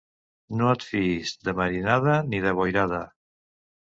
No et fiïs de marinada ni de boirada.